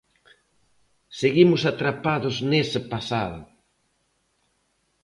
Seguimos atrapados nese pasado?